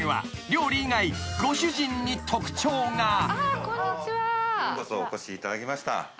ようこそお越しいただきました。